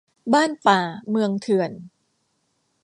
บ้านป่า เมืองเถื่อน